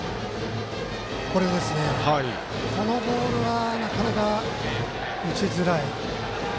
このボールはなかなか打ちづらい。